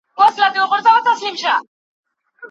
ځینې خلک دا غږونه د ساتنې وسیله ګڼي.